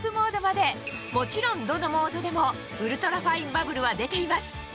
もちろんどのモードでもウルトラファインバブルは出ています